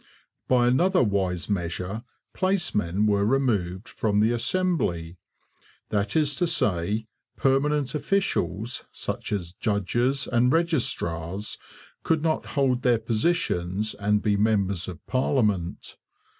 By another wise measure placemen were removed from the Assembly; that is to say, permanent officials, such as judges and registrars, could not hold their positions and be members of parliament.